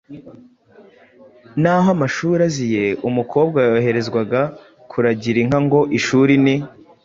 Naho amashuri aziye, umukobwa yoherezwaga kuragira inka ngo ishuri ni